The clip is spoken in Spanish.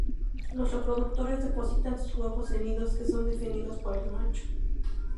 Los reproductores depositan sus huevos en nidos, que son defendidos por el macho.